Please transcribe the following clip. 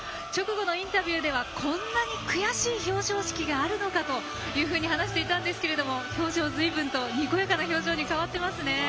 直後のインタビューではこんなに悔しい表彰式があるのかというふうに話していたんですけれども表情、ずいぶんとにこやかな表情に変わっています。